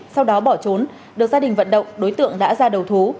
sau đó bỏ trốn được gia đình vận động đối tượng đã ra đầu thú